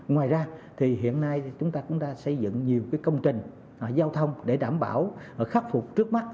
ngoài ra thì hiện nay chúng ta cũng đã xây dựng nhiều công trình giao thông để đảm bảo khắc phục trước mắt